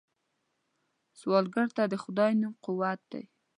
سوالګر ته د خدای نوم قوت دی